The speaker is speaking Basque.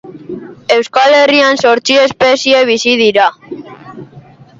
Euskal Herrian zortzi espezie bizi dira.